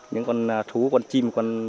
những con thú con chim